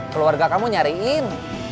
keluarga kamu nyariin